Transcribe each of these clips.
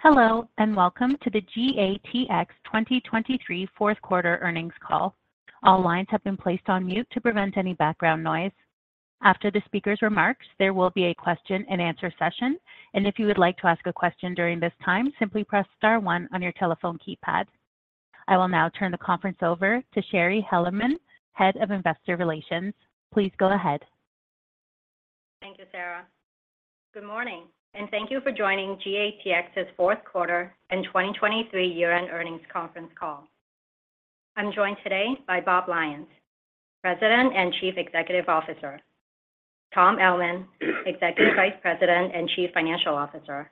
Hello, and welcome to the GATX 2023 fourth quarter earnings call. All lines have been placed on mute to prevent any background noise. After the speaker's remarks, there will be a question-and-answer session, and if you would like to ask a question during this time, simply press star one on your telephone keypad. I will now turn the conference over to Shari Hellerman, Head of Investor Relations. Please go ahead. Thank you, Shari. Good morning, and thank you for joining GATX's fourth quarter and 2023 year-end earnings conference call. I'm joined today by Bob Lyons, President and Chief Executive Officer, Tom Ellman, Executive Vice President and Chief Financial Officer,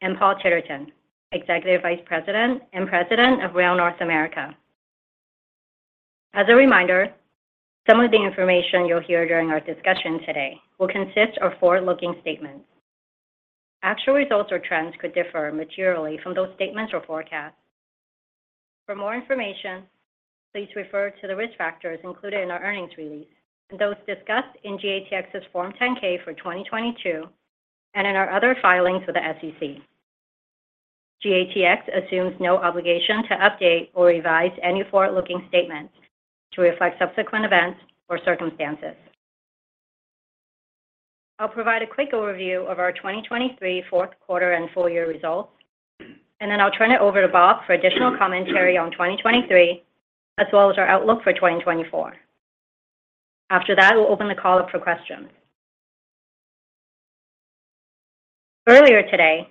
and Paul Titterton, Executive Vice President and President of Rail North America. As a reminder, some of the information you'll hear during our discussion today will consist of forward-looking statements. Actual results or trends could differ materially from those statements or forecasts. For more information, please refer to the risk factors included in our earnings release, and those discussed in GATX's Form 10-K for 2022, and in our other filings with the SEC. GATX assumes no obligation to update or revise any forward-looking statements to reflect subsequent events or circumstances. I'll provide a quick overview of our 2023 fourth quarter and full year results, and then I'll turn it over to Bob for additional commentary on 2023, as well as our outlook for 2024. After that, we'll open the call up for questions. Earlier today,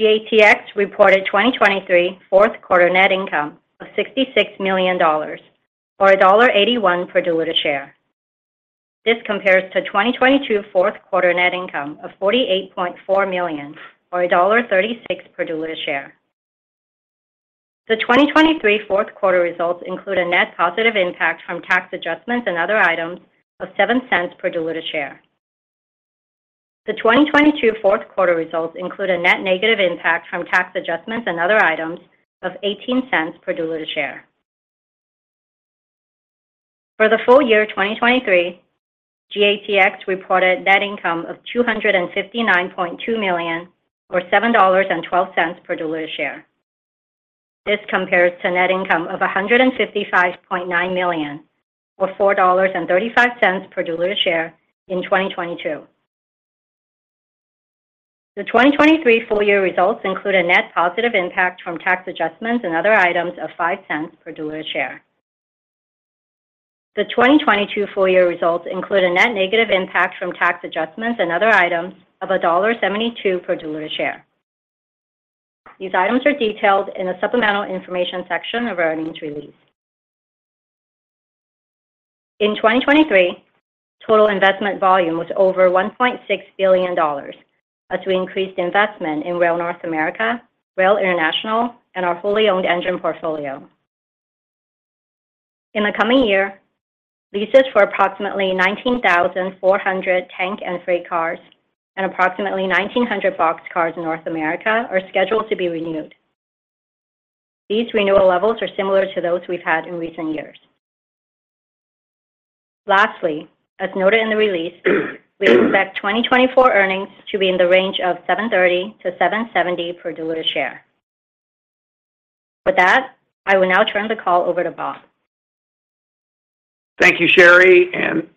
GATX reported 2023 fourth quarter net income of $66 million, or $1.81 per diluted share. This compares to 2022 fourth quarter net income of $48.4 million, or $1.36 per diluted share. The 2023 fourth quarter results include a net positive impact from tax adjustments and other items of $0.07 per diluted share. The 2022 fourth quarter results include a net negative impact from tax adjustments and other items of $0.18 per diluted share. For the full year 2023, GATX reported net income of $259.2 million, or $7.12 per diluted share. This compares to net income of $155.9 million, or $4.35 per diluted share in 2022. The 2023 full year results include a net positive impact from tax adjustments and other items of $0.05 per diluted share. The 2022 full year results include a net negative impact from tax adjustments and other items of $1.72 per diluted share. These items are detailed in the supplemental information section of our earnings release. In 2023, total investment volume was over $1.6 billion, as we increased investment in Rail North America, Rail International, and our fully owned engine portfolio. In the coming year, leases for approximately 19,400 tank and freight cars and approximately 1,900 box cars in North America are scheduled to be renewed. These renewal levels are similar to those we've had in recent years. Lastly, as noted in the release, we expect 2024 earnings to be in the range of $7.30-$7.70 per diluted share. With that, I will now turn the call over to Bob. Thank you, Shari, and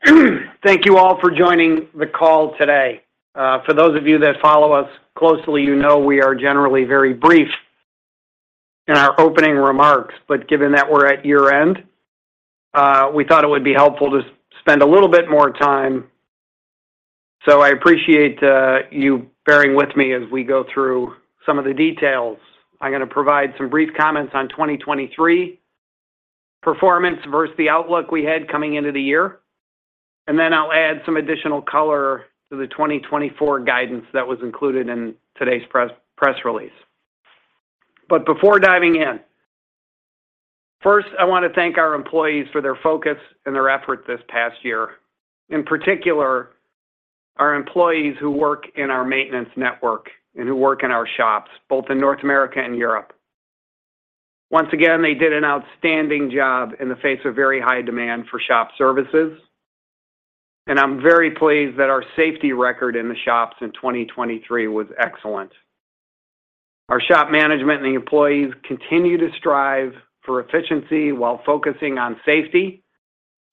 thank you all for joining the call today. For those of you that follow us closely, you know we are generally very brief in our opening remarks, but given that we're at year-end, we thought it would be helpful to spend a little bit more time. So I appreciate you bearing with me as we go through some of the details. I'm gonna provide some brief comments on 2023 performance versus the outlook we had coming into the year, and then I'll add some additional color to the 2024 guidance that was included in today's press release. But before diving in, first, I want to thank our employees for their focus and their effort this past year. In particular, our employees who work in our maintenance network and who work in our shops, both in North America and Europe. Once again, they did an outstanding job in the face of very high demand for shop services, and I'm very pleased that our safety record in the shops in 2023 was excellent. Our shop management and the employees continue to strive for efficiency while focusing on safety,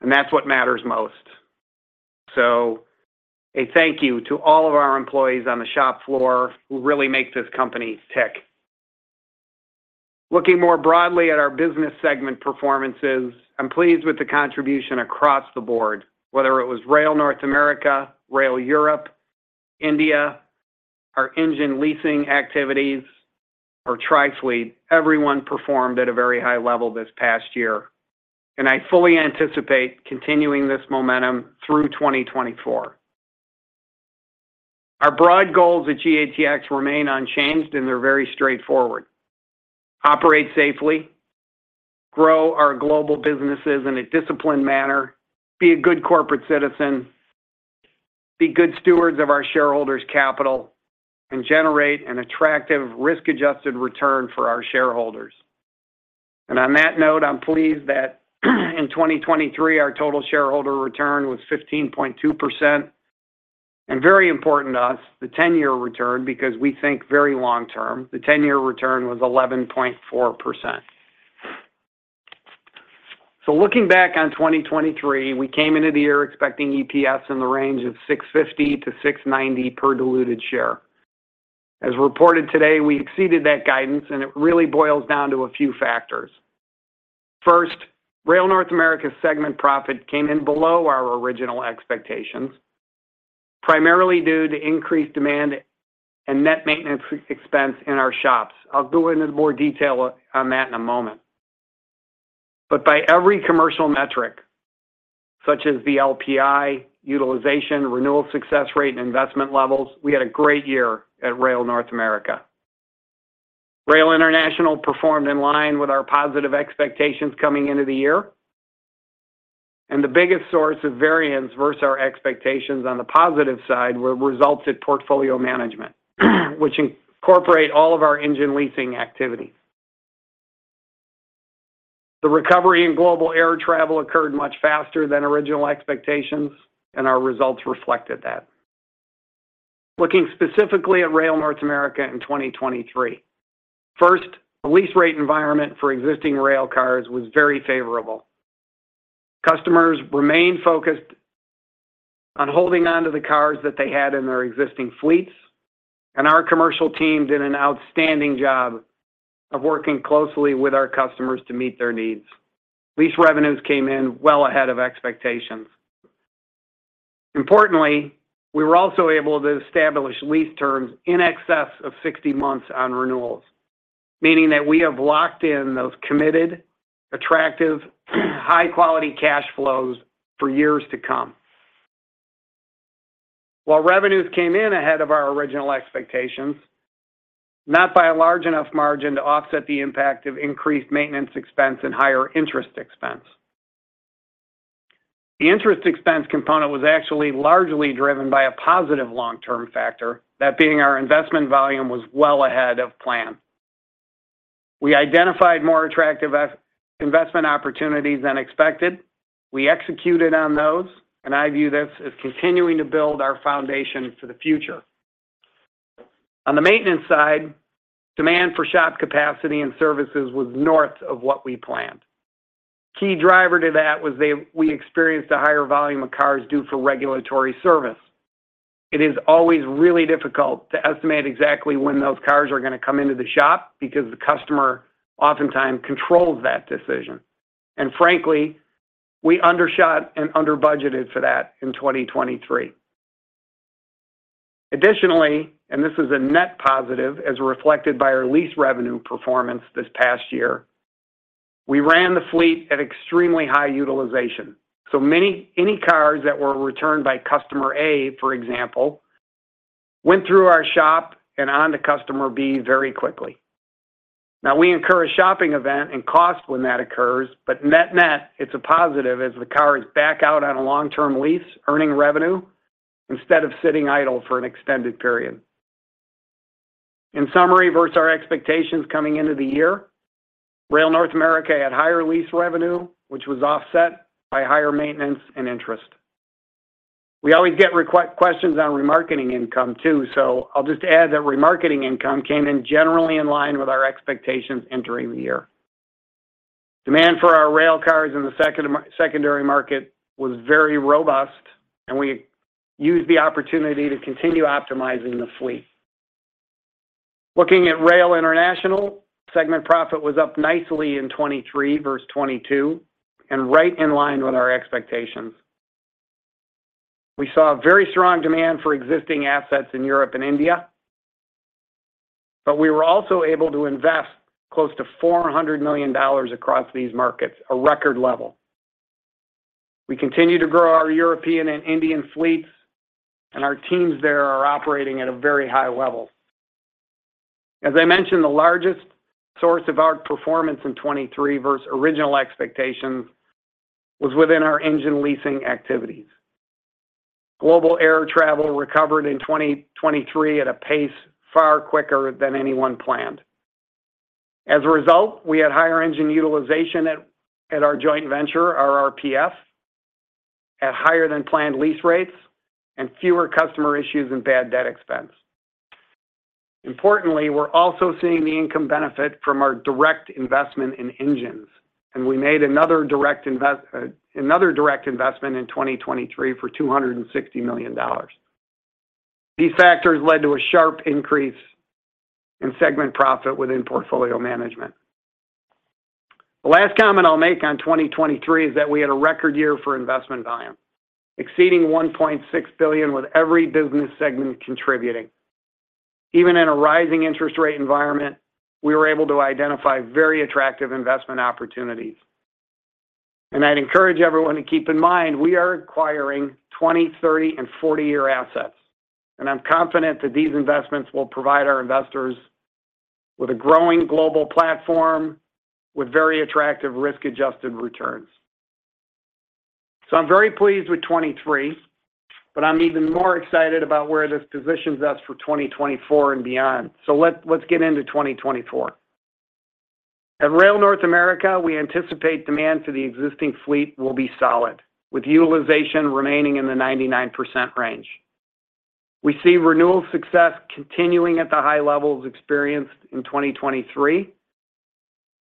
and that's what matters most. So a thank you to all of our employees on the shop floor who really make this company tick. Looking more broadly at our business segment performances, I'm pleased with the contribution across the board, whether it was Rail North America, Rail Europe, India, our engine leasing activities, or Trifleet, everyone performed at a very high level this past year, and I fully anticipate continuing this momentum through 2024. Our broad goals at GATX remain unchanged, and they're very straightforward: operate safely, grow our global businesses in a disciplined manner, be a good corporate citizen, be good stewards of our shareholders' capital, and generate an attractive risk-adjusted return for our shareholders. And on that note, I'm pleased that in 2023, our total shareholder return was 15.2%, and very important to us, the 10-year return, because we think very long term, the 10-year return was 11.4%. So looking back on 2023, we came into the year expecting EPS in the range of $6.50-$6.90 per diluted share. As reported today, we exceeded that guidance, and it really boils down to a few factors. First, Rail North America segment profit came in below our original expectations, primarily due to increased demand and net maintenance expense in our shops. I'll go into more detail on that in a moment. But by every commercial metric, such as the LPI, utilization, renewal success rate, and investment levels, we had a great year at Rail North America. Rail International performed in line with our positive expectations coming into the year, and the biggest source of variance versus our expectations on the positive side were results at Portfolio Management, which incorporate all of our engine leasing activity. The recovery in global air travel occurred much faster than original expectations, and our results reflected that. Looking specifically at Rail North America in 2023, first, the lease rate environment for existing railcars was very favorable. Customers remained focused on holding onto the cars that they had in their existing fleets, and our commercial team did an outstanding job of working closely with our customers to meet their needs. Lease revenues came in well ahead of expectations. Importantly, we were also able to establish lease terms in excess of 60 months on renewals, meaning that we have locked in those committed, attractive, high-quality cash flows for years to come. While revenues came in ahead of our original expectations, not by a large enough margin to offset the impact of increased maintenance expense and higher interest expense. The interest expense component was actually largely driven by a positive long-term factor, that being our investment volume was well ahead of plan. We identified more attractive investment opportunities than expected. We executed on those, and I view this as continuing to build our foundation for the future. On the maintenance side, demand for shop capacity and services was north of what we planned. Key driver to that was we experienced a higher volume of cars due for regulatory service. It is always really difficult to estimate exactly when those cars are going to come into the shop because the customer oftentimes controls that decision. Frankly, we undershot and underbudgeted for that in 2023. Additionally, and this is a net positive, as reflected by our lease revenue performance this past year, we ran the fleet at extremely high utilization. Any cars that were returned by customer A, for example, went through our shop and on to customer B very quickly. Now, we incur a shop event and cost when that occurs, but net-net, it's a positive as the car is back out on a long-term lease, earning revenue, instead of sitting idle for an extended period. In summary, versus our expectations coming into the year, Rail North America had higher lease revenue, which was offset by higher maintenance and interest. We always get questions on remarketing income, too, so I'll just add that remarketing income came in generally in line with our expectations entering the year. Demand for our rail cars in the secondary market was very robust, and we used the opportunity to continue optimizing the fleet. Looking at Rail International, segment profit was up nicely in 2023 versus 2022 and right in line with our expectations. We saw a very strong demand for existing assets in Europe and India, but we were also able to invest close to $400 million across these markets, a record level. We continue to grow our European and Indian fleets, and our teams there are operating at a very high level. As I mentioned, the largest source of our performance in 2023 versus original expectations was within our engine leasing activities. Global air travel recovered in 2023 at a pace far quicker than anyone planned. As a result, we had higher engine utilization at our joint venture, our RRPF, at higher-than-planned lease rates and fewer customer issues and bad debt expense. Importantly, we're also seeing the income benefit from our direct investment in engines, and we made another direct investment in 2023 for $260 million. These factors led to a sharp increase in segment profit within portfolio management. The last comment I'll make on 2023 is that we had a record year for investment volume, exceeding $1.6 billion with every business segment contributing. Even in a rising interest rate environment, we were able to identify very attractive investment opportunities. I'd encourage everyone to keep in mind, we are acquiring 20-, 30-, and 40-year assets, and I'm confident that these investments will provide our investors with a growing global platform with very attractive risk-adjusted returns. I'm very pleased with 2023, but I'm even more excited about where this positions us for 2024 and beyond. Let's get into 2024. At Rail North America, we anticipate demand for the existing fleet will be solid, with utilization remaining in the 99% range. We see renewal success continuing at the high levels experienced in 2023,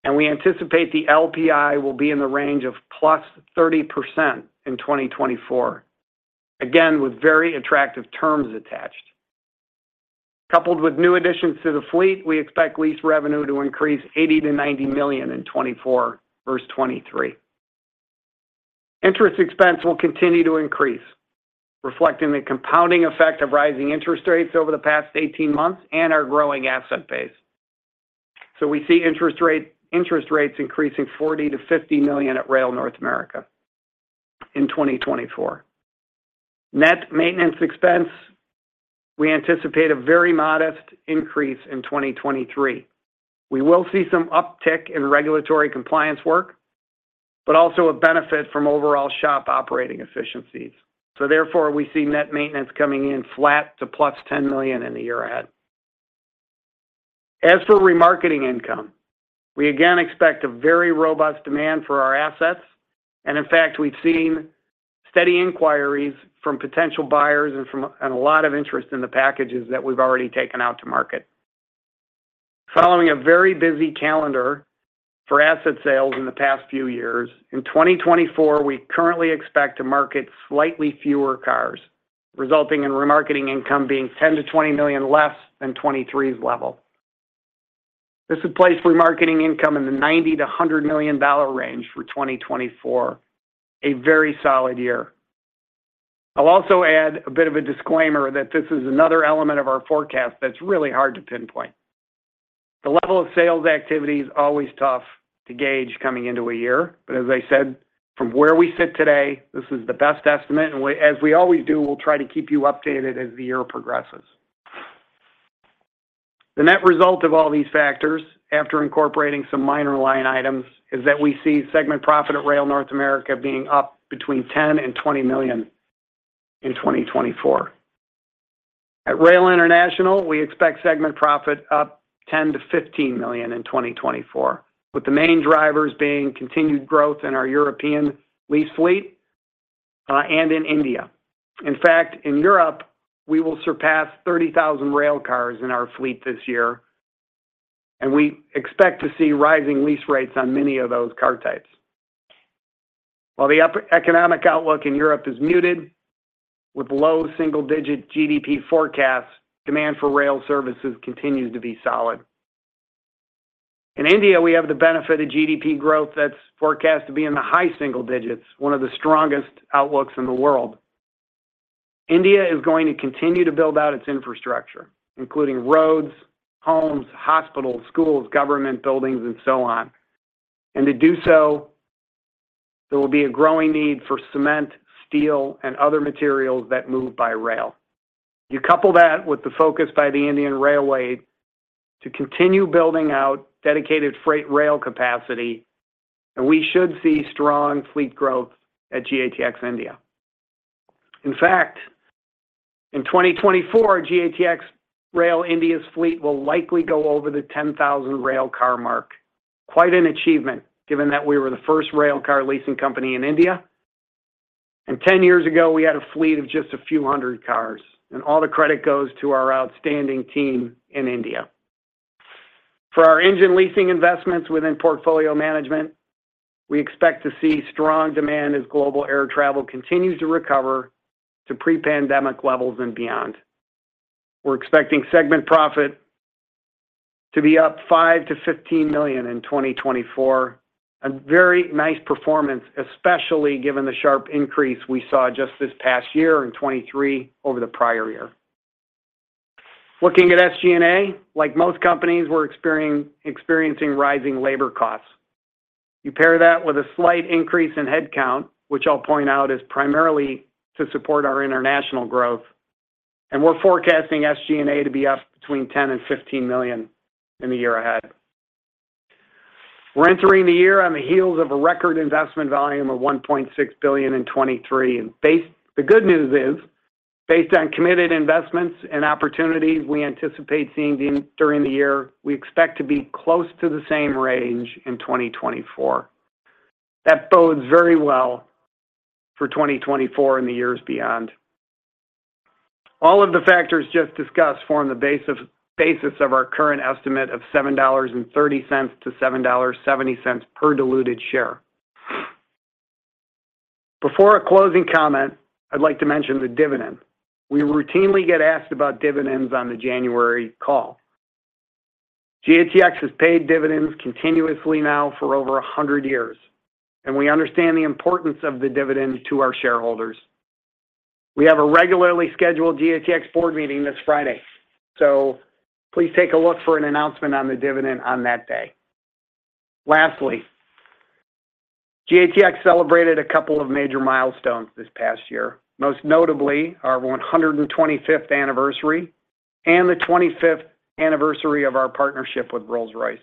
and we anticipate the LPI will be in the range of +30% in 2024, again, with very attractive terms attached. Coupled with new additions to the fleet, we expect lease revenue to increase $80 million-$90 million in 2024 versus 2023. Interest expense will continue to increase, reflecting the compounding effect of rising interest rates over the past 18 months and our growing asset base. We see interest rates increasing $40 million-$50 million at Rail North America in 2024. Net maintenance expense, we anticipate a very modest increase in 2023. We will see some uptick in regulatory compliance work, but also a benefit from overall shop operating efficiencies. Therefore, we see net maintenance coming in flat to +$10 million in the year ahead. As for remarketing income, we again expect a very robust demand for our assets, and in fact, we've seen steady inquiries from potential buyers and a lot of interest in the packages that we've already taken out to market. Following a very busy calendar for asset sales in the past few years, in 2024, we currently expect to market slightly fewer cars, resulting in remarketing income being $10 million-$20 million less than 2023's level. This would place remarketing income in the $90 million-$100 million range for 2024, a very solid year. I'll also add a bit of a disclaimer that this is another element of our forecast that's really hard to pinpoint. The level of sales activity is always tough to gauge coming into a year, but as I said, from where we sit today, this is the best estimate, and we, as we always do, we'll try to keep you updated as the year progresses. The net result of all these factors, after incorporating some minor line items, is that we see segment profit at Rail North America being up between $10 million and $20 million in 2024. At Rail International, we expect segment profit up $10 million-$15 million in 2024, with the main drivers being continued growth in our European lease fleet, and in India. In fact, in Europe, we will surpass 30,000 rail cars in our fleet this year, and we expect to see rising lease rates on many of those car types. While the economic outlook in Europe is muted, with low single-digit GDP forecasts, demand for rail services continues to be solid. In India, we have the benefit of GDP growth that's forecast to be in the high single digits, one of the strongest outlooks in the world. India is going to continue to build out its infrastructure, including roads, homes, hospitals, schools, government buildings, and so on. And to do so, there will be a growing need for cement, steel, and other materials that move by rail. You couple that with the focus by the Indian Railway to continue building out dedicated freight rail capacity, and we should see strong fleet growth at GATX India. In fact, in 2024, GATX Rail India's fleet will likely go over the 10,000 rail car mark. Quite an achievement, given that we were the first rail car leasing company in India. And 10 years ago, we had a fleet of just a few hundred cars, and all the credit goes to our outstanding team in India. For our engine leasing investments within portfolio management, we expect to see strong demand as global air travel continues to recover to pre-pandemic levels and beyond. We're expecting segment profit to be up $5 million-$15 million in 2024. A very nice performance, especially given the sharp increase we saw just this past year in 2023 over the prior year. Looking at SG&A, like most companies, we're experiencing rising labor costs. You pair that with a slight increase in headcount, which I'll point out is primarily to support our international growth, and we're forecasting SG&A to be up between $10 million and $15 million in the year ahead. We're entering the year on the heels of a record investment volume of $1.6 billion in 2023. The good news is, based on committed investments and opportunities we anticipate seeing during the year, we expect to be close to the same range in 2024. That bodes very well for 2024 and the years beyond. All of the factors just discussed form the basis of our current estimate of $7.30-$7.70 per diluted share. Before a closing comment, I'd like to mention the dividend. We routinely get asked about dividends on the January call. GATX has paid dividends continuously now for over 100 years, and we understand the importance of the dividend to our shareholders. We have a regularly scheduled GATX board meeting this Friday, so please take a look for an announcement on the dividend on that day. Lastly, GATX celebrated a couple of major milestones this past year, most notably our 125th anniversary and the 25th anniversary of our partnership with Rolls-Royce.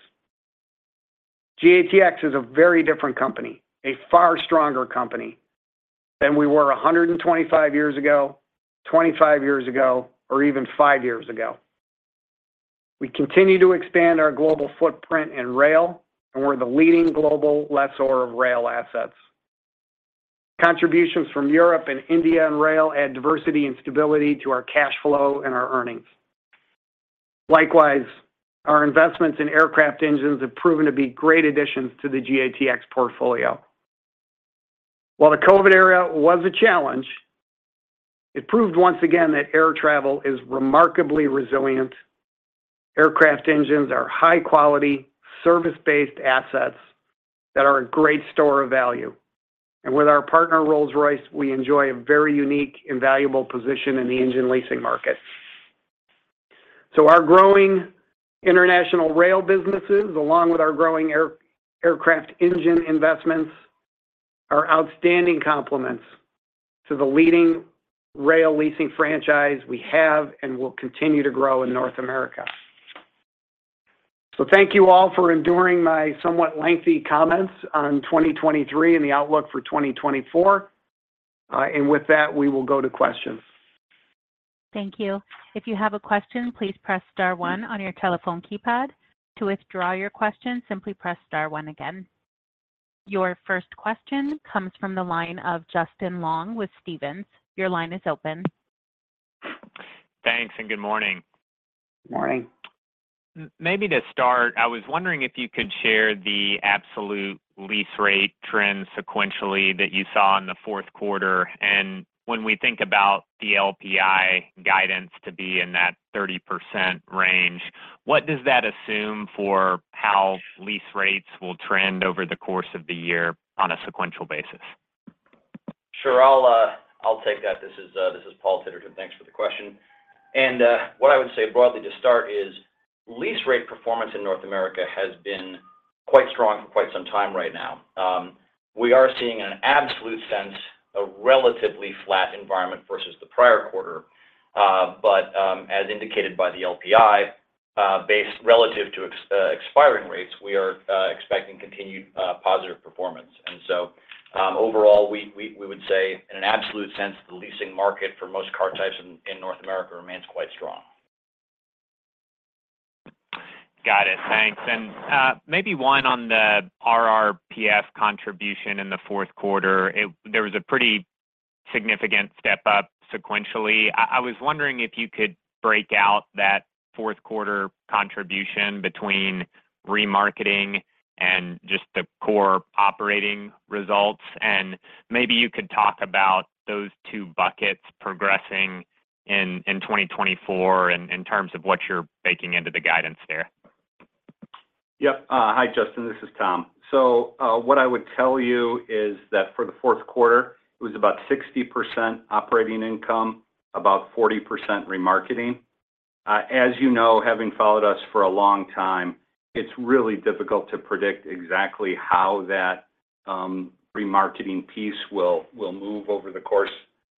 GATX is a very different company, a far stronger company than we were 125 years ago, 25 years ago, or even five years ago. We continue to expand our global footprint in rail, and we're the leading global lessor of rail assets. Contributions from Europe and India in rail add diversity and stability to our cash flow and our earnings. Likewise, our investments in aircraft engines have proven to be great additions to the GATX portfolio. While the COVID era was a challenge, it proved once again that air travel is remarkably resilient. Aircraft engines are high-quality, service-based assets that are a great store of value, and with our partner, Rolls-Royce, we enjoy a very unique and valuable position in the engine leasing market. So our growing international rail businesses, along with our growing aircraft engine investments, are outstanding complements to the leading rail leasing franchise we have and will continue to grow in North America. So thank you all for enduring my somewhat lengthy comments on 2023 and the outlook for 2024. And with that, we will go to questions. Thank you. If you have a question, please press star one on your telephone keypad. To withdraw your question, simply press star one again. Your first question comes from the line of Justin Long with Stephens. Your line is open. Thanks, and good morning. Morning. Maybe to start, I was wondering if you could share the absolute lease rate trends sequentially that you saw in the fourth quarter, and when we think about the LPI guidance to be in that 30% range, what does that assume for how lease rates will trend over the course of the year on a sequential basis? Sure, I'll take that. This is Paul Titterton. Thanks for the question. What I would say broadly to start is lease rate performance in North America has been quite strong for quite some time right now. We are seeing in an absolute sense a relatively flat environment versus the prior quarter. But as indicated by the LPI, based relative to expiring rates, we are expecting continued positive performance. So overall, we would say, in an absolute sense, the leasing market for most car types in North America remains quite strong. Got it. Thanks. And maybe one on the RRPF contribution in the fourth quarter. There was a pretty significant step up sequentially. I was wondering if you could break out that fourth quarter contribution between remarketing and just the core operating results, and maybe you could talk about those two buckets progressing in 2024 in terms of what you're baking into the guidance there. Yep. Hi, Justin, this is Tom. So, what I would tell you is that for the fourth quarter, it was about 60% operating income, about 40% remarketing. As you know, having followed us for a long time, it's really difficult to predict exactly how that remarketing piece will move over the course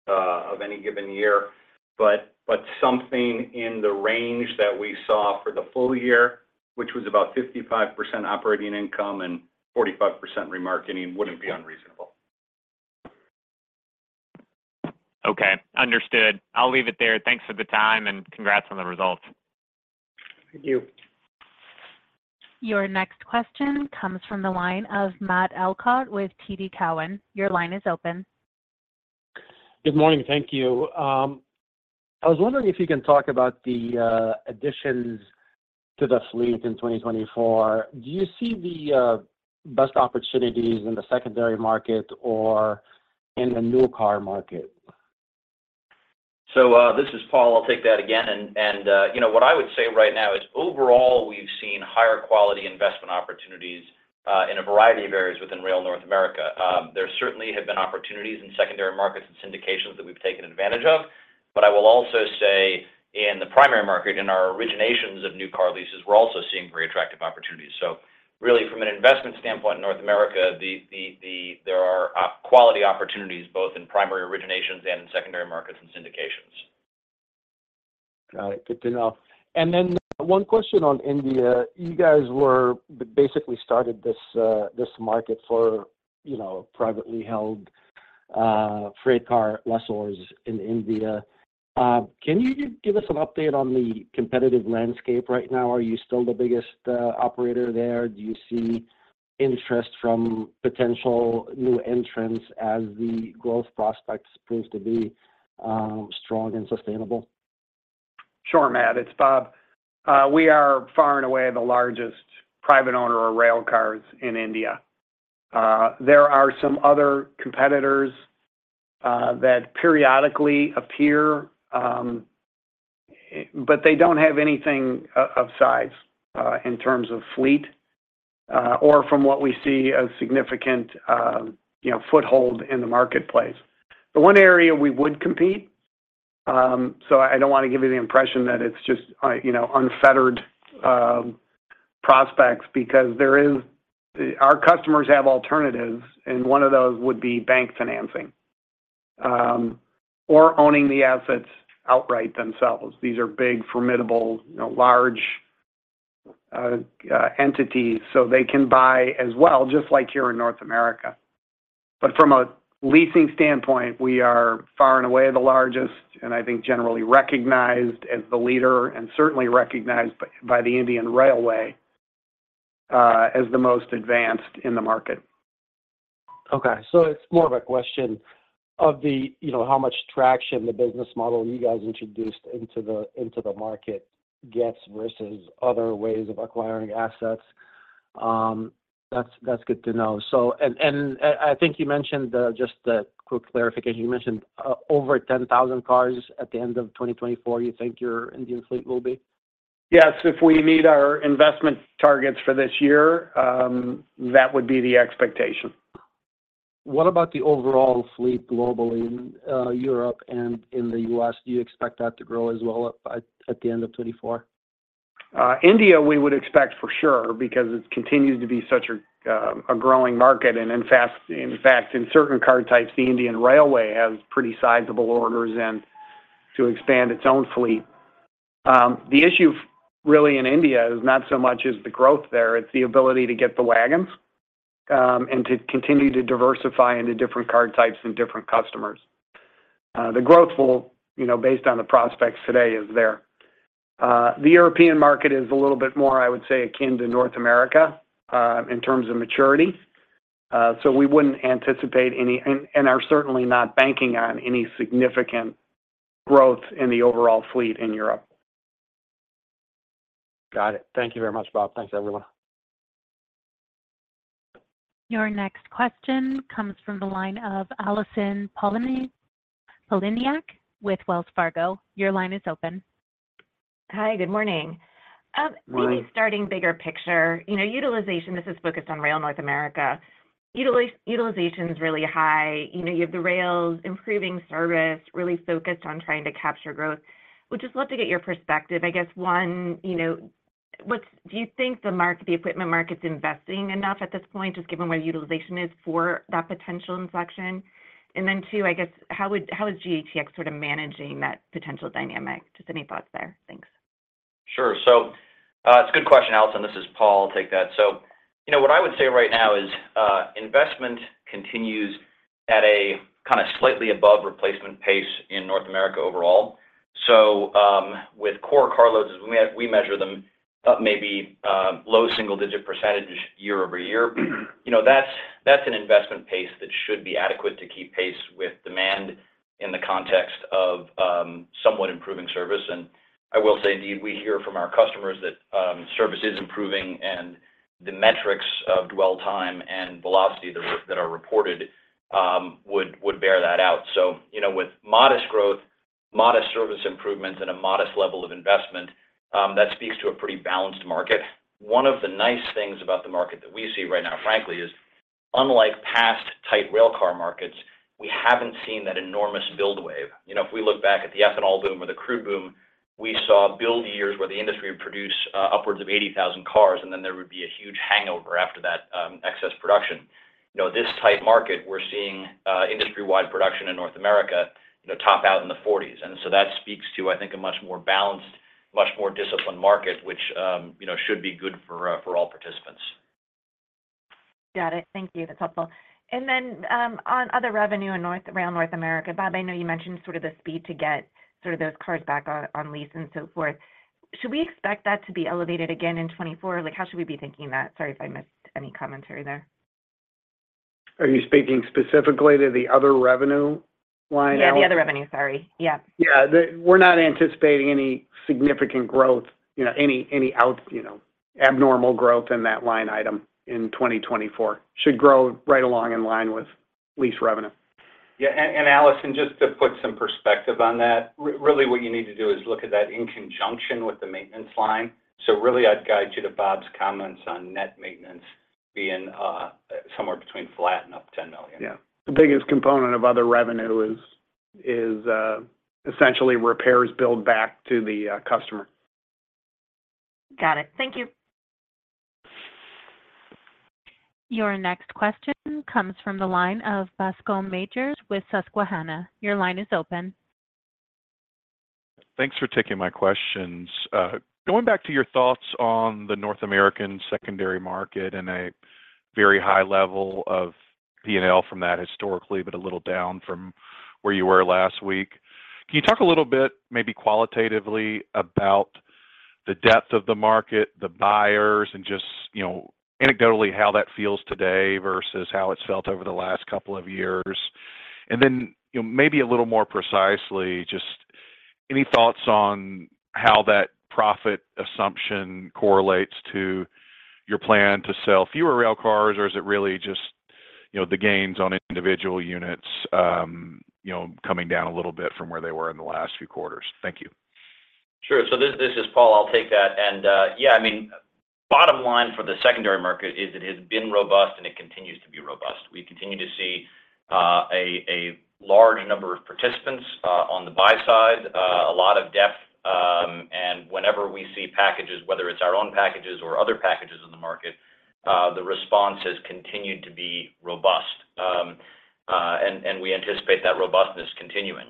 of any given year. But something in the range that we saw for the full year, which was about 55% operating income and 45% remarketing, wouldn't be unreasonable. Okay, understood. I'll leave it there. Thanks for the time, and congrats on the results. Thank you. Your next question comes from the line of Matt Elkott with TD Cowen. Your line is open. Good morning. Thank you. I was wondering if you can talk about the additions to the fleet in 2024. Do you see the best opportunities in the secondary market or in the new car market? So, this is Paul. I'll take that again, and, and, you know, what I would say right now is overall, we've seen higher quality investment opportunities in a variety of areas within Rail North America. There certainly have been opportunities in secondary markets and syndications that we've taken advantage of, but I will also say in the primary market, in our originations of new car leases, we're also seeing very attractive opportunities. So really, from an investment standpoint in North America, there are quality opportunities both in primary originations and in secondary markets and syndications. Got it. Good to know. And then one question on India: You guys were basically started this, you know, this market for, privately held, freight car lessors in India. Can you give us an update on the competitive landscape right now? Are you still the biggest, operator there? Do you see interest from potential new entrants as the growth prospects proves to be, strong and sustainable? Sure, Matt, it's Bob. We are far and away the largest private owner of rail cars in India. There are some other competitors that periodically appear, but they don't have anything of size in terms of fleet or from what we see, a significant, you know, foothold in the marketplace. The one area we would compete, so I don't want to give you the impression that it's just, you know, unfettered prospects, because there is. Our customers have alternatives, and one of those would be bank financing or owning the assets outright themselves. These are big, formidable, you know, large entities, so they can buy as well, just like here in North America. From a leasing standpoint, we are far and away the largest, and I think generally recognized as the leader, and certainly recognized by the Indian Railway as the most advanced in the market. Okay. So it's more of a question of the, you know, how much traction the business model you guys introduced into the market gets versus other ways of acquiring assets. That's good to know. So, and I think you mentioned just a quick clarification, you mentioned over 10,000 cars at the end of 2024, you think your Indian fleet will be? Yes. If we meet our investment targets for this year, that would be the expectation. What about the overall fleet globally in, Europe and in the U.S.? Do you expect that to grow as well at the end of 2024? India, we would expect for sure, because it continues to be such a growing market. And in fact, in certain car types, the Indian Railway has pretty sizable orders in to expand its own fleet. The issue really in India is not so much as the growth there, it's the ability to get the wagons, and to continue to diversify into different car types and different customers. The growth will, you know, based on the prospects today, is there. The European market is a little bit more, I would say, akin to North America, in terms of maturity. So we wouldn't anticipate any, and are certainly not banking on any significant growth in the overall fleet in Europe. Got it. Thank you very much, Bob. Thanks, everyone. Your next question comes from the line of Allison Poliniak with Wells Fargo. Your line is open. Hi, good morning. Morning. Maybe starting bigger picture, you know, utilization. This is focused on Rail North America. Utilization's really high. You know, you have the rails improving service, really focused on trying to capture growth. Would just love to get your perspective. I guess, one, you know, what's, do you think the market, the equipment market's investing enough at this point, just given where utilization is for that potential inflection? And then two, I guess, how would, how is GATX sort of managing that potential dynamic? Just any thoughts there? Thanks. Sure. So, it's a good question, Allison. This is Paul, I'll take that. So, you know, what I would say right now is, investment continues at a kind of slightly above replacement pace in North America overall. So, with core car loads, as we have, we measure them up maybe, low single-digit percentage year-over-year. You know, that's, that's an investment pace that should be adequate to keep pace with demand in the context of, somewhat improving service. And I will say, indeed, we hear from our customers that, service is improving, and the metrics of dwell time and velocity that are reported would bear that out. So, you know, with modest growth, modest service improvements, and a modest level of investment, that speaks to a pretty balanced market. One of the nice things about the market that we see right now, frankly, is unlike past tight rail car markets, we haven't seen that enormous build wave. You know, if we look back at the ethanol boom or the crude boom, we saw build years where the industry would produce, upwards of 80,000 cars, and then there would be a huge hangover after that, excess production. You know, this tight market, we're seeing, industry-wide production in North America, you know, top out in the 40s. And so that speaks to, I think, a much more balanced, much more disciplined market, which, you know, should be good for, for all participants. Got it. Thank you. That's helpful. And then, on other revenue in North America, Bob, I know you mentioned sort of the speed to get sort of those cars back on, on lease and so forth. Should we expect that to be elevated again in 2024? Like, how should we be thinking that? Sorry if I missed any commentary there. Are you speaking specifically to the other revenue line item? Yeah, the other revenue. Sorry, yeah. Yeah. We're not anticipating any significant growth, you know, any out, you know, abnormal growth in that line item in 2024. Should grow right along in line with lease revenue. Yeah, and Allison, just to put some perspective on that, really what you need to do is look at that in conjunction with the maintenance line. So really, I'd guide you to Bob's comments on net maintenance being somewhere between flat and up $10 million. Yeah. The biggest component of other revenue is essentially repairs billed back to the customer. Got it. Thank you. Your next question comes from the line of Bascome Majors with Susquehanna. Your line is open. Thanks for taking my questions. Going back to your thoughts on the North American secondary market in a very high level of P&L from that historically, but a little down from where you were last week. Can you talk a little bit, maybe qualitatively, about the depth of the market, the buyers, and just, you know, anecdotally, how that feels today versus how it's felt over the last couple of years? And then, you know, maybe a little more precisely, just any thoughts on how that profit assumption correlates to your plan to sell fewer rail cars, or is it really just, you know, the gains on individual units, you know, coming down a little bit from where they were in the last few quarters? Thank you. Sure. So this is Paul, I'll take that. And yeah, I mean, bottom line for the secondary market is it has been robust, and it continues to be robust. We continue to see a large number of participants on the buy side, a lot of depth... whenever we see packages, whether it's our own packages or other packages in the market, the response has continued to be robust. And we anticipate that robustness continuing.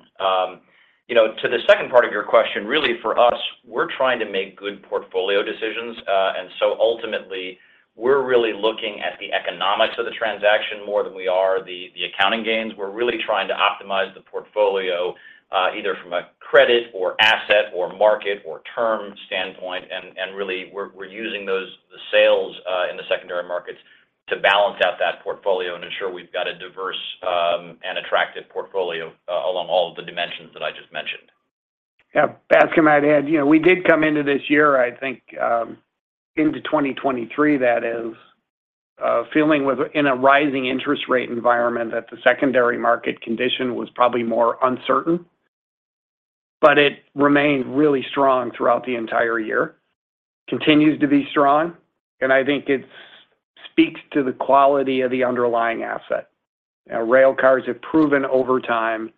You know, to the second part of your question, really for us, we're trying to make good portfolio decisions. And so ultimately, we're really looking at the economics of the transaction more than we are the accounting gains. We're really trying to optimize the portfolio, either from a credit or asset or market or term standpoint, and really, we're using those, the sales in the secondary markets to balance out that portfolio and ensure we've got a diverse and attractive portfolio along all of the dimensions that I just mentioned. Yeah, Bascome, I'd add, you know, we did come into this year, I think, into 2023, that is, in a rising interest rate environment, that the secondary market condition was probably more uncertain, but it remained really strong throughout the entire year. Continues to be strong, and I think it's speaks to the quality of the underlying asset. Now, rail cars have proven over time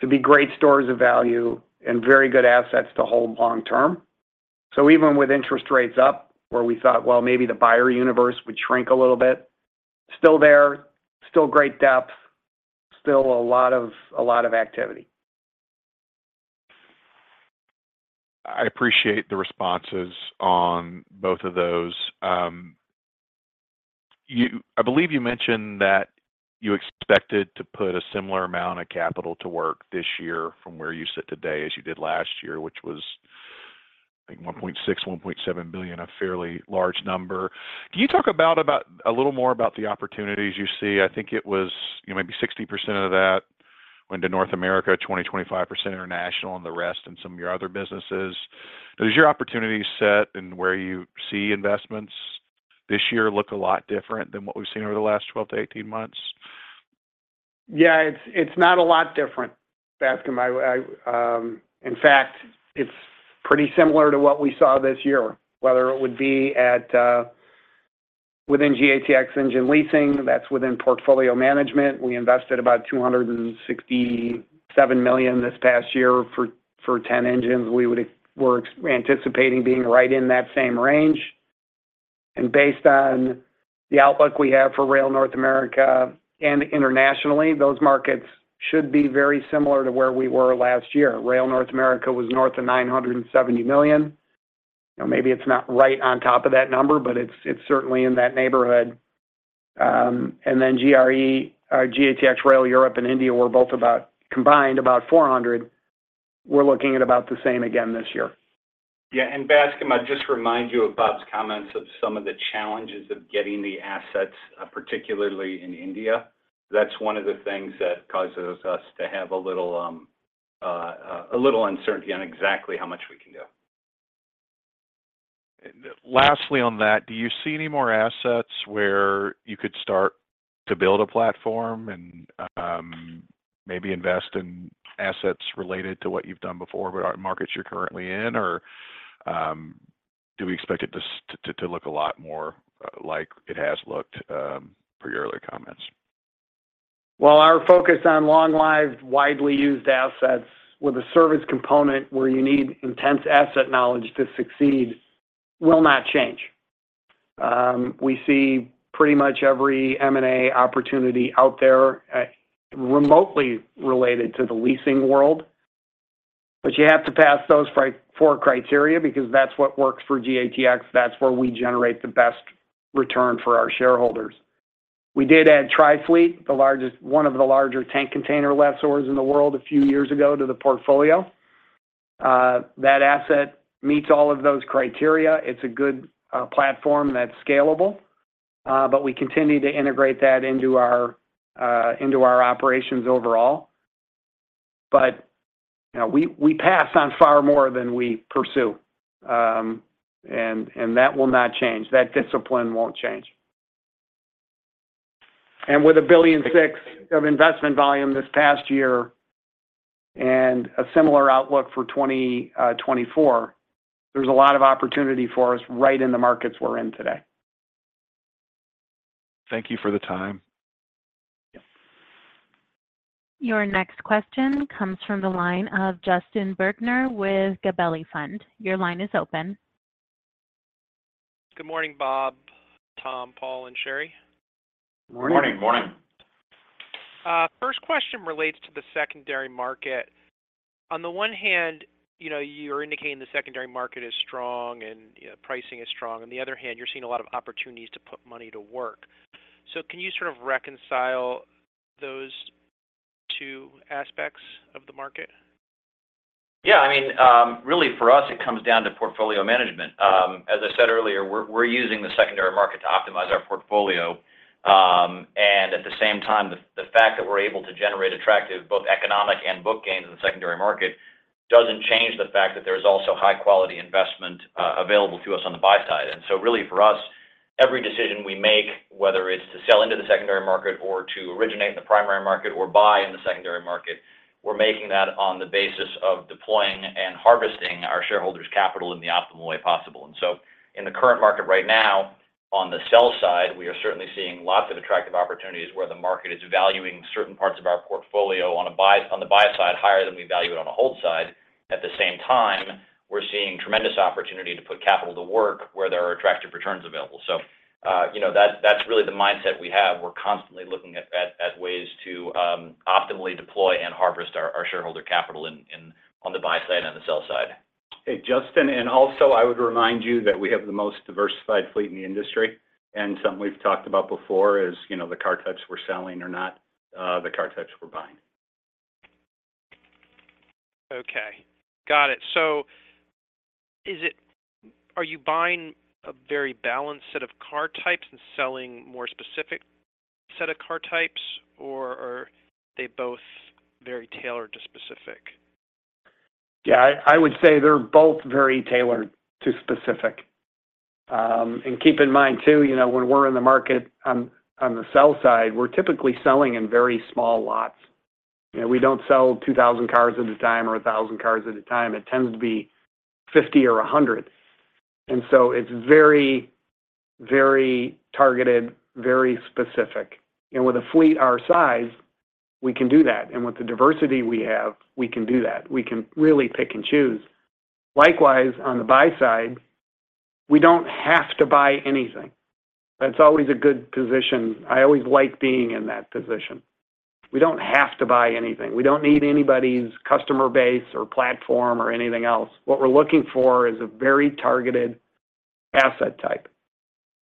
to be great stores of value and very good assets to hold long term. So even with interest rates up, where we thought, well, maybe the buyer universe would shrink a little bit, still there, still great depth, still a lot of, a lot of activity. I appreciate the responses on both of those. I believe you mentioned that you expected to put a similar amount of capital to work this year from where you sit today, as you did last year, which was, I think, $1.6 billion-$1.7 billion, a fairly large number. Can you talk about a little more about the opportunities you see? I think it was, you know, maybe 60% of that went to North America, 20%-25% international, and the rest in some of your other businesses. Does your opportunity set and where you see investments this year look a lot different than what we've seen over the last 12-18 months? Yeah, it's, it's not a lot different, Bascome. I in fact, it's pretty similar to what we saw this year, whether it would be within GATX Engine Leasing, that's within portfolio management. We invested about $267 million this past year for 10 engines. We're anticipating being right in that same range. And based on the outlook we have for Rail North America and internationally, those markets should be very similar to where we were last year. Rail North America was north of $970 million. Now, maybe it's not right on top of that number, but it's, it's certainly in that neighborhood. And then GRE, GATX Rail Europe and India, were both about combined, about $400 million. We're looking at about the same again this year. Yeah, and Bascome, I'd just remind you of Bob's comments of some of the challenges of getting the assets, particularly in India. That's one of the things that causes us to have a little uncertainty on exactly how much we can do. And lastly, on that, do you see any more assets where you could start to build a platform and, maybe invest in assets related to what you've done before, but are markets you're currently in? Or, do we expect it to look a lot more like it has looked, per your earlier comments? Well, our focus on long-lived, widely used assets with a service component where you need intense asset knowledge to succeed, will not change. We see pretty much every M&A opportunity out there, remotely related to the leasing world, but you have to pass those four criteria because that's what works for GATX. That's where we generate the best return for our shareholders. We did add Trifleet, the largest one of the larger tank container lessors in the world, a few years ago, to the portfolio. That asset meets all of those criteria. It's a good platform that's scalable, but we continue to integrate that into our, into our operations overall. But, you know, we, we pass on far more than we pursue, and, and that will not change. That discipline won't change. With $1.6 billion of investment volume this past year and a similar outlook for 2024, there's a lot of opportunity for us right in the markets we're in today. Thank you for the time. Yeah. Your next question comes from the line of Justin Bergner with Gabelli Funds. Your line is open. Good morning, Bob, Tom, Paul, and Shari. Morning. Morning. First question relates to the secondary market. On the one hand, you know, you're indicating the secondary market is strong and, you know, pricing is strong. On the other hand, you're seeing a lot of opportunities to put money to work. So can you sort of reconcile those two aspects of the market? Yeah, I mean, really for us, it comes down to portfolio management. As I said earlier, we're, we're using the secondary market to optimize our portfolio. And at the same time, the, the fact that we're able to generate attractive, both economic and book gains in the secondary market, doesn't change the fact that there is also high quality investment available to us on the buy side. And so really for us, every decision we make, whether it's to sell into the secondary market or to originate in the primary market or buy in the secondary market, we're making that on the basis of deploying and harvesting our shareholders' capital in the optimal way possible. In the current market right now, on the sell side, we are certainly seeing lots of attractive opportunities where the market is valuing certain parts of our portfolio on the buy side higher than we value it on the hold side. At the same time, we're seeing tremendous opportunity to put capital to work where there are attractive returns available. So, you know, that's really the mindset we have. We're constantly looking at ways to optimally deploy and harvest our shareholder capital on the buy side and the sell side. Hey, Justin, and also, I would remind you that we have the most diversified fleet in the industry, and something we've talked about before is, you know, the car types we're selling are not the car types we're buying. Okay. Got it. So is it, are you buying a very balanced set of car types and selling more specific set of car types, or are they both very tailored to specific? Yeah, I would say they're both very tailored to specific. And keep in mind too, you know, when we're in the market on the sell side, we're typically selling in very small lots. You know, we don't sell 2,000 cars at a time or 1,000 cars at a time. It tends to be 50 or 100, and so it's very, very targeted, very specific. And with a fleet our size, we can do that, and with the diversity we have, we can do that. We can really pick and choose. Likewise, on the buy side, we don't have to buy anything. That's always a good position. I always like being in that position. We don't have to buy anything. We don't need anybody's customer base or platform or anything else. What we're looking for is a very targeted asset type.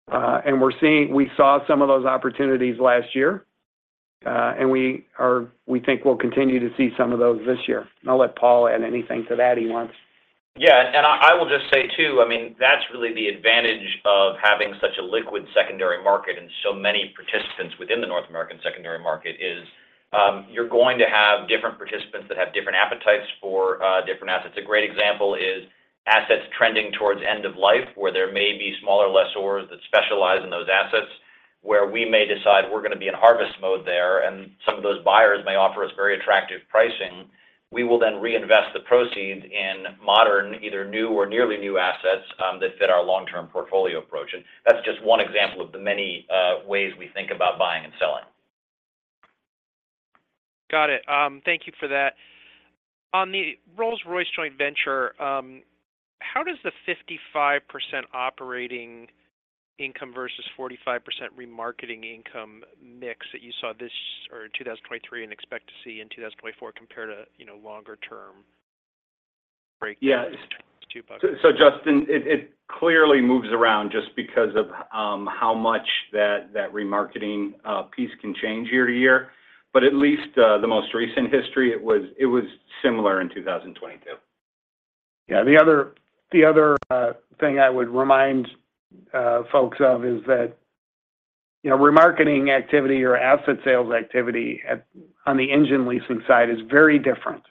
We saw some of those opportunities last year, and we think we'll continue to see some of those this year. I'll let Paul add anything to that he wants. Yeah, and I will just say, too, I mean, that's really the advantage of having such a liquid secondary market and so many participants within the North American secondary market is, you're going to have different participants that have different appetites for, different assets. A great example is assets trending towards end of life, where there may be smaller lessors that specialize in those assets, where we may decide we're going to be in harvest mode there, and some of those buyers may offer us very attractive pricing. We will then reinvest the proceeds in modern, either new or nearly new assets, that fit our long-term portfolio approach. And that's just one example of the many, ways we think about buying and selling. Got it. Thank you for that. On the Rolls-Royce joint venture, how does the 55% operating income versus 45% remarketing income mix that you saw this year in 2023 and expect to see in 2024 compare to, you know, longer term breakdown? Yeah. Two buckets. So, Justin, it clearly moves around just because of how much that remarketing piece can change year to year, but at least the most recent history, it was similar in 2022. Yeah, the other, the other, thing I would remind folks of is that, you know, remarketing activity or asset sales activity at- on the engine leasing side is very different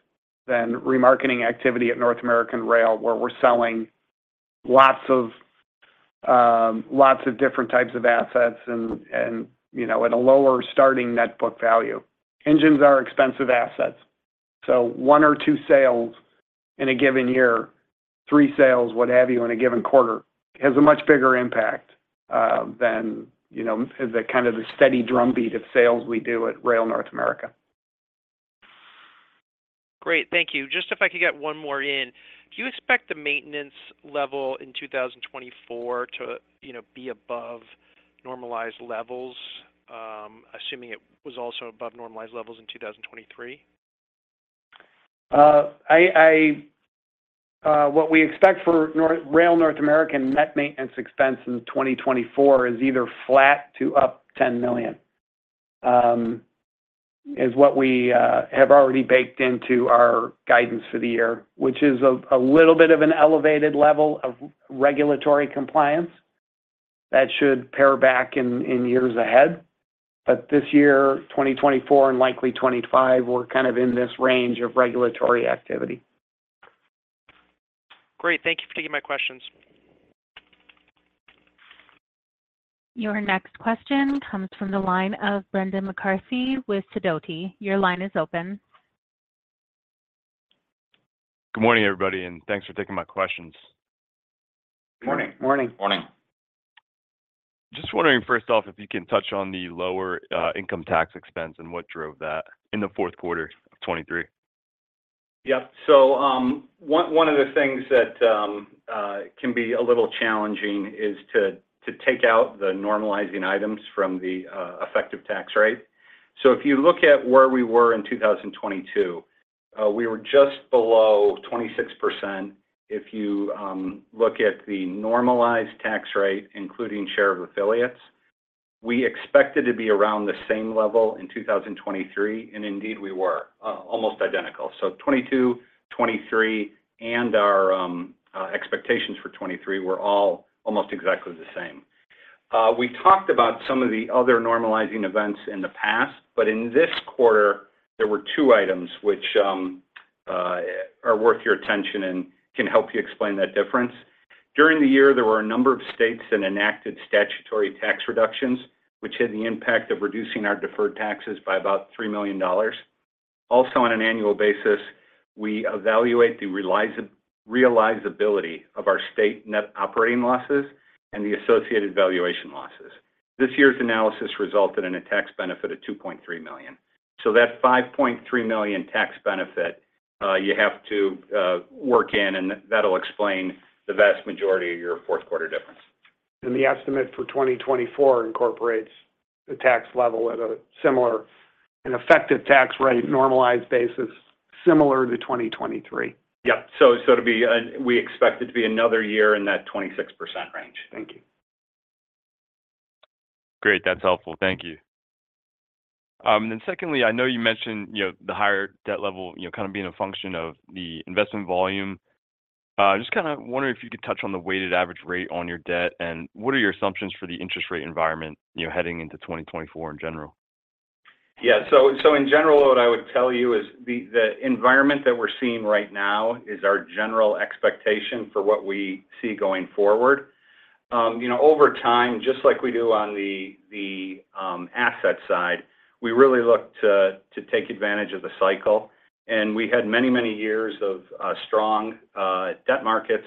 than remarketing activity at North American Rail, where we're selling lots of, lots of different types of assets and, and, you know, at a lower starting net book value. Engines are expensive assets, so one or two sales in a given year, three sales, what have you, in a given quarter, has a much bigger impact than, you know, the kind of the steady drumbeat of sales we do at Rail North America. Great. Thank you. Just if I could get one more in: Do you expect the maintenance level in 2024 to, you know, be above normalized levels, assuming it was also above normalized levels in 2023? What we expect for Rail North America Net Maintenance Expense in 2024 is either flat to up $10 million, is what we have already baked into our guidance for the year, which is a little bit of an elevated level of regulatory compliance. That should pare back in years ahead, but this year, 2024 and likely 2025, we're kind of in this range of regulatory activity. Great. Thank you for taking my questions. Your next question comes from the line of Brendan McCarthy with Sidoti. Your line is open. Good morning, everybody, and thanks for taking my questions. Morning. Morning. Morning. Just wondering, first off, if you can touch on the lower, income tax expense and what drove that in the fourth quarter of 2023? Yeah. So, one of the things that can be a little challenging is to take out the normalizing items from the effective tax rate. So if you look at where we were in 2022, we were just below 26%. If you look at the normalized tax rate, including share of affiliates, we expected to be around the same level in 2023, and indeed, we were almost identical. So 2022, 2023, and our expectations for 2023 were all almost exactly the same. We talked about some of the other normalizing events in the past, but in this quarter, there were two items which are worth your attention and can help you explain that difference. During the year, there were a number of states that enacted statutory tax reductions, which had the impact of reducing our deferred taxes by about $3 million. Also, on an annual basis, we evaluate the realizability of our state net operating losses and the associated valuation losses. This year's analysis resulted in a tax benefit of $2.3 million. So that $5.3 million tax benefit, you have to work in, and that'll explain the vast majority of your fourth quarter difference. The estimate for 2024 incorporates the tax level at a similar, an effective tax rate, normalized basis, similar to 2023. Yeah. So, to be, we expect it to be another year in that 26% range. Thank you. Great. That's helpful. Thank you. Then secondly, I know you mentioned, you know, the higher debt level, you know, kind of being a function of the investment volume. Just kind of wondering if you could touch on the weighted average rate on your debt, and what are your assumptions for the interest rate environment, you know, heading into 2024 in general? Yeah. So in general, what I would tell you is the environment that we're seeing right now is our general expectation for what we see going forward. You know, over time, just like we do on the asset side, we really look to take advantage of the cycle, and we had many years of strong debt markets.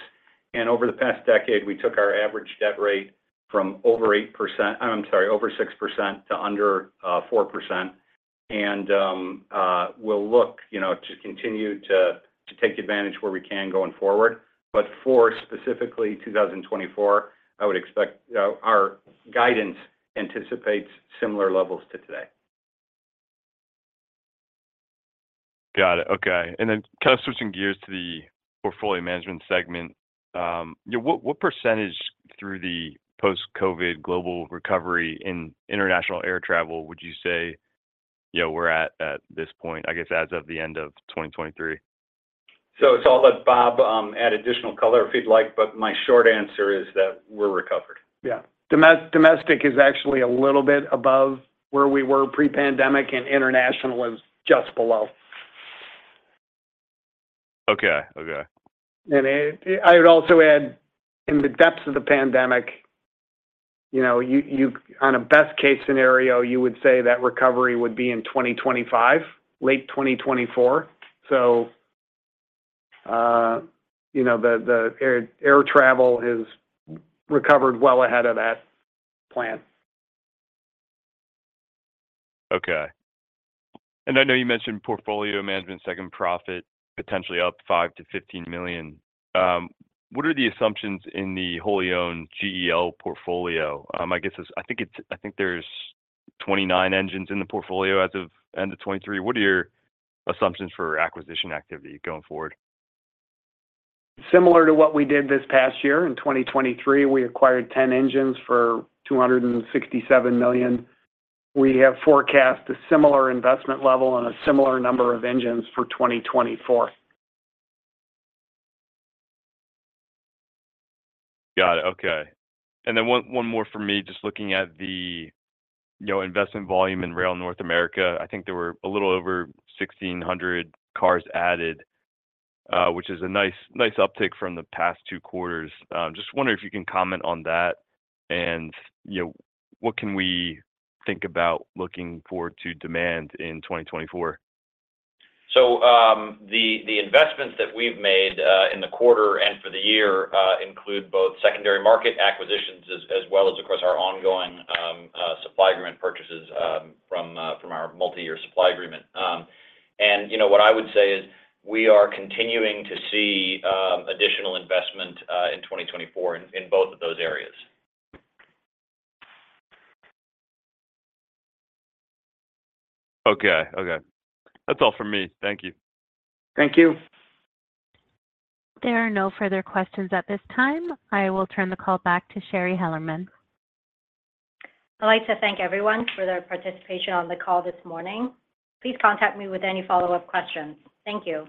And over the past decade, we took our average debt rate from over 8%—I'm sorry, over 6% to under 4%. And we'll look, you know, to continue to take advantage where we can going forward. But for specifically 2024, I would expect our guidance anticipates similar levels to today. Got it. Okay. And then kind of switching gears to the portfolio management segment, yeah, what, what percentage through the post-COVID global recovery in international air travel would you say, you know, we're at at this point, I guess, as of the end of 2023? I'll let Bob add additional color if he'd like, but my short answer is that we're recovered. Yeah. Domestic is actually a little bit above where we were pre-pandemic, and international is just below. Okay. Okay. I would also add, in the depths of the pandemic, you know, on a best-case scenario, you would say that recovery would be in 2025, late 2024. You know, the air travel is recovered well ahead of that plan. Okay. I know you mentioned portfolio management, segment profit, potentially up $5 million-$15 million. What are the assumptions in the wholly owned GEL portfolio? I think there's 29 engines in the portfolio as of end of 2023. What are your assumptions for acquisition activity going forward? Similar to what we did this past year, in 2023, we acquired 10 engines for $267 million. We have forecast a similar investment level and a similar number of engines for 2024. Got it. Okay. And then one more for me, just looking at the, you know, investment volume in Rail North America. I think there were a little over 1,600 cars added, which is a nice, nice uptick from the past two quarters. Just wondering if you can comment on that, and, you know, what can we think about looking forward to demand in 2024? So, the investments that we've made in the quarter and for the year include both secondary market acquisitions, as well as, of course, our ongoing supply agreement purchases from our multi-year supply agreement. And, you know, what I would say is we are continuing to see additional investment in 2024 in both of those areas. Okay. Okay. That's all for me. Thank you. Thank you. There are no further questions at this time. I will turn the call back to Shari Hellerman. I'd like to thank everyone for their participation on the call this morning. Please contact me with any follow-up questions. Thank you.